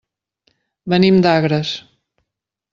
Venim d'Agres.